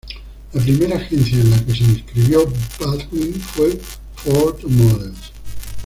La primera agencia en la que se inscribió Baldwin fue Ford Models.